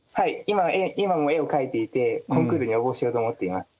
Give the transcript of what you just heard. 今も絵を描いていてコンクールに応募しようと思っています。